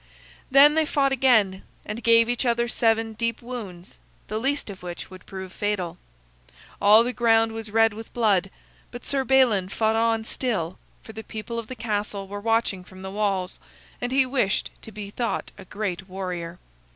Then they fought again, and gave each other seven deep wounds, the least of which would prove fatal. All the ground was red with blood, but Sir Balin fought on still, for the people of the castle were watching from the walls, and he wished to be thought a great warrior.